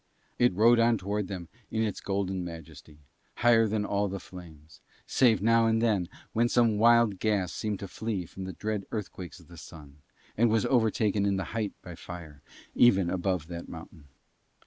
It rode on toward them in its golden majesty, higher than all the flames, save now and then when some wild gas seemed to flee from the dread earthquakes of the Sun, and was overtaken in the height by fire, even above that mountain.